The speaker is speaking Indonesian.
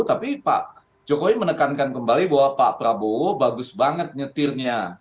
tapi pak jokowi menekankan kembali bahwa pak prabowo bagus banget nyetirnya